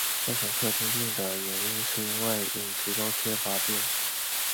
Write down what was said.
造成克汀病的原因是因为饮食中缺乏碘。